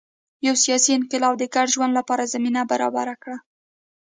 یو سیاسي انقلاب د ګډ ژوند لپاره زمینه برابره کړه